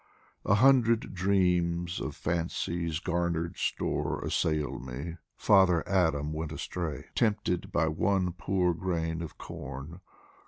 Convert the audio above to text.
A hundred dreams of Fancy's garnered store Assail me Father Adam went astray Tempted by one poor grain of corn